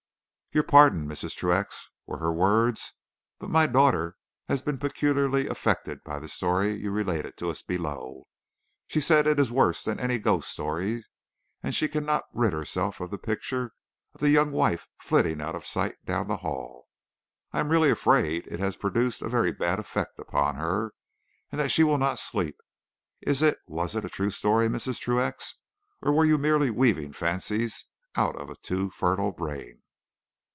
"Your pardon, Mrs. Truax," were her words; "but my daughter has been peculiarly affected by the story you related to us below. She says it is worse than any ghost story, and that she cannot rid herself of the picture of the young wife flitting out of sight down the hall. I am really afraid it has produced a very bad effect upon her, and that she will not sleep. Is it was it a true story, Mrs. Truax, or were you merely weaving fancies out of a too fertile brain?"